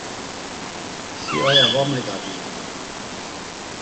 Si aya va megagninen.